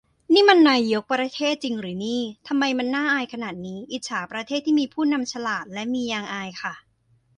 นี่มันนายก ประเทศ จริงหรือนี่ ทำไมมันน่าอายขนาดนี้ อิจฉาประเทศ ที่มีผู้นำฉลาด และมียางอายค่ะ